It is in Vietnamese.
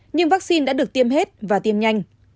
nhưng vaccine đã được tiêm hết và tiêm nhanh